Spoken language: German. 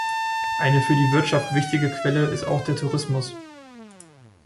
Eine für die Wirtschaft wichtige Quelle ist auch der Tourismus.